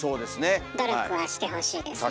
努力はしてほしいですね。